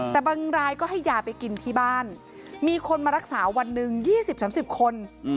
แต่บางรายก็ให้ยาไปกินที่บ้านมีคนมารักษาวันหนึ่ง๒๐๓๐คน